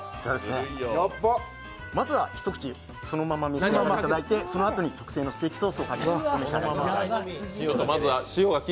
まずは一口そのまま召し上がっていただいてそのあとに特製のステーキソースをかけてお召し上がりください。